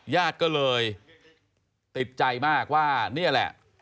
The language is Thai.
ญาติก็เลยติดใจมากว่านี่แหละ